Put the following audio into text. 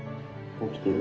起きてる。